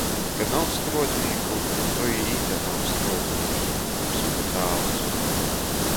"Ka nav struodnīku, to i te na struodnīki," nūsoka tāvs.